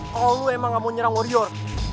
kalau emang gak mau nyerang warrior